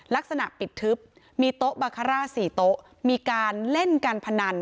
ลักษณะปิดทึบมีโต๊ะบาคาร่า๔โต๊ะมีการเล่นการพนัน